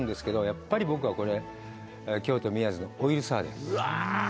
やっぱり僕はこれ京都・宮津のオイルサーディン